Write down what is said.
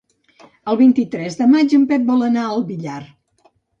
El vint-i-tres de maig en Pep vol anar al Villar.